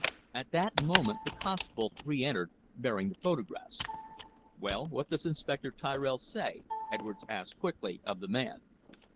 At that moment the constable re entered bearing the photographs. "Well, what does Inspector Tirrell say?" Edwards asked quickly of the man.